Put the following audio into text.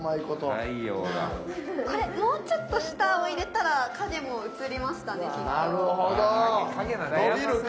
これもうちょっと下を入れたら影も写りましたねきっと。